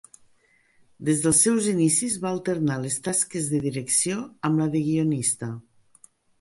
Des dels seus inicis va alternar les tasques de direcció amb la de guionista.